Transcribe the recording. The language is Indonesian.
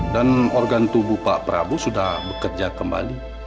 dan organ tubuh pak prabu sudah bekerja kembali